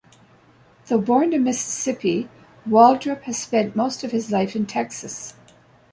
Though born in Mississippi, Waldrop has spent most of his life in Texas.